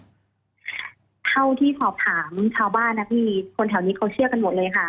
เท่าที่สอบถามชาวบ้านนะพี่คนแถวนี้เขาเชื่อกันหมดเลยค่ะ